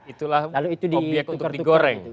itulah obyek untuk digoreng